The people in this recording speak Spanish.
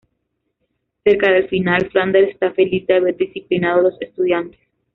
Cerca del final, Flanders está feliz de haber disciplinado a los estudiantes.